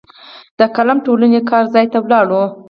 د قلم ټولنې کار ځای ته ولاړو.